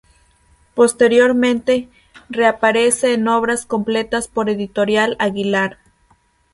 Posteriormente, reaparece en "Obras completas" por editorial Aguilar.